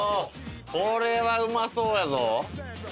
これはうまそうやぞ！